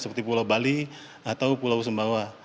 seperti pulau bali atau pulau sumbawa